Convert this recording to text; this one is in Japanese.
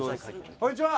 こんにちは。